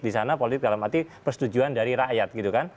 di sana politik dalam arti persetujuan dari rakyat